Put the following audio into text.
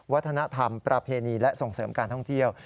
วัฒนธรรมประเพณีและส่งเสริมการท่องเที่ยว